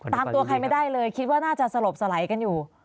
ตามตัวใครไม่ได้เลยคิดว่าน่าจะสลบสลายกันอยู่